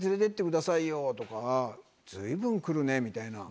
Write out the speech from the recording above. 「随分くるね」みたいな。